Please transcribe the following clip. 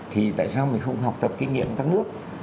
thì tại sao mình không học tập kinh nghiệm ở các nước